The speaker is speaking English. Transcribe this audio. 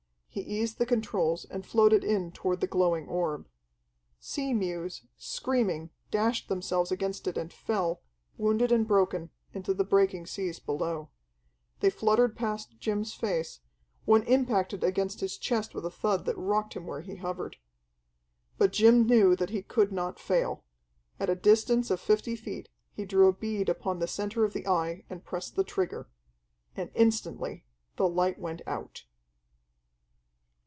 He eased the controls and floated in toward the glowing orb. Sea mews, screaming, dashed themselves against it and fell, wounded and broken, into the breaking seas below. They fluttered past Jim's face, one impacted against his chest with a thud that rocked him where he hovered. But Jim knew that he could not fail. At a distance of fifty feet he drew a bead upon the centre of the Eye and pressed the trigger. And instantly the light went out....